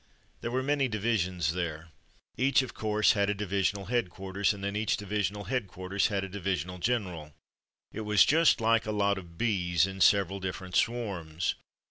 There were many divisions there. Each of course had a divi sional headquarters, and then each division al headquarters had a divisional general. It was just like a lot of bees, in several differ ent swarms.